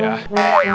males deh ya